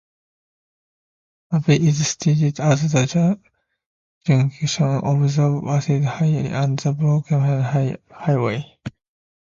Nannup is situated at the junction of the Vasse Highway and the Brockman Highway.